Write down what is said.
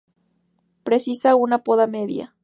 Precisa una poda media.